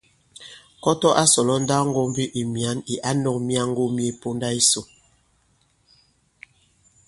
Kɔtɔ a sɔ̀lɔ nndawŋgōmbi ì mwǎn ì ǎ nɔ̄k myaŋgo mye ponda yisò.